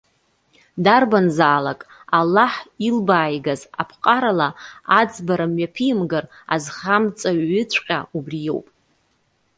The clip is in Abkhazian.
Дарбанзаалак, Аллаҳ илбааигаз аԥҟарала аӡбара мҩаԥимгар, азхамҵаҩыҵәҟьа убри иоуп.